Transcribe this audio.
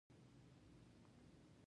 نو پلار مې څنگه وروخوت.